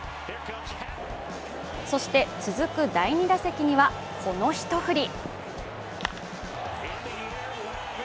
そして続く第２打席には、この一振り。